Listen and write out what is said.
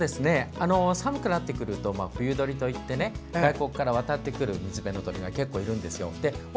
寒くなってくると冬鳥といって外国から渡ってくる水辺の鳥が結構いるんですよ。